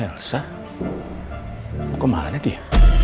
elsa kemana dia